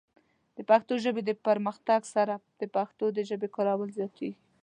د پښتو ژبې د پرمختګ سره، د پښتنو د ژبې کارول زیاتېږي.